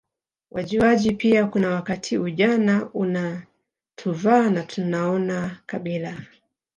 wajuaji pia kuna wakati ujana unatuvaa na tunaona kabila